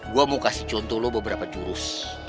gue mau kasih contoh lo beberapa jurus